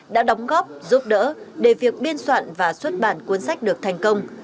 đã đóng góp giúp đỡ để việc biên soạn và xuất bản cuốn sách được thành công